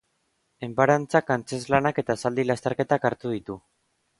Enparantzak, antzezlanak eta zaldi lasterketak hartu ditu.